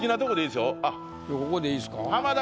ここでいいですか？